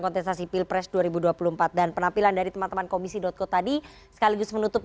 kontestasi pilpres dua ribu dua puluh empat dan penampilan dari teman teman komisi co tadi sekaligus menutup